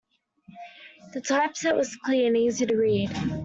The typeset was clear and easy to read.